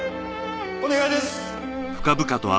お願いです！